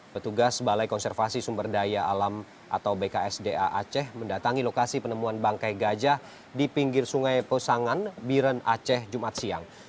petugas balai konservasi sumber daya alam atau bksda aceh mendatangi lokasi penemuan bangkai gajah di pinggir sungai posangan biren aceh jumat siang